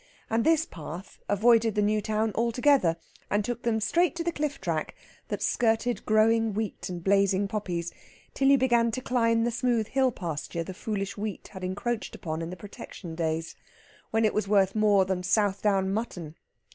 And this path avoided the New Town altogether, and took them straight to the cliff track that skirted growing wheat and blazing poppies till you began to climb the smooth hill pasture the foolish wheat had encroached upon in the Protection days, when it was worth more than South Down mutton.